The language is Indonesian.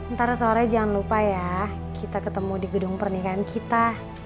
ntar sore jangan lupa ya kita ketemu di gedung pernikahan kita